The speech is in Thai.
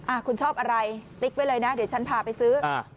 อ่าคุณชอบอะไรเล๊กไว้เลยละเดี๋ยวฉันขาไปซื้อ